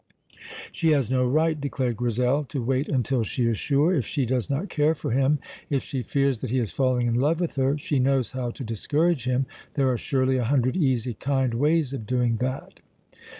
"She has no right," declared Grizel, "to wait until she is sure, if she does not care for him. If she fears that he is falling in love with her, she knows how to discourage him; there are surely a hundred easy, kind ways of doing that."